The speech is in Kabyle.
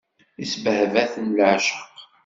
Isbehba-ten leɛceq.